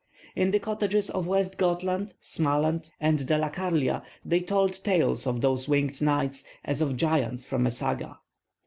In the cottages of West Gothland, Smaland, or Delakarlia they told tales of those winged knights, as of giants from a saga.